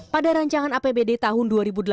pada rancangan apbd tahun dua ribu delapan belas